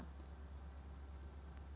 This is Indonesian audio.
assalamualaikum warahmatullahi wabarakatuh